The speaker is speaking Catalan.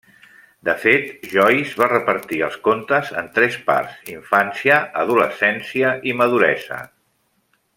De fet, Joyce va repartir els contes en tres parts: infància, adolescència i maduresa.